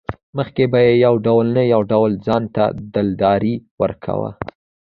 مخکې به مې يو ډول نه يو ډول ځانته دلداري ورکوه.